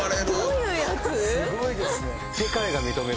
すごいですね。